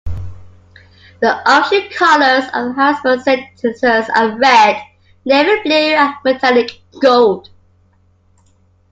The official colors of the Harrisburg Senators are red, navy blue and metallic gold.